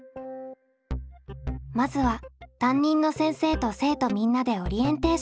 まずは担任の先生と生徒みんなでオリエンテーション。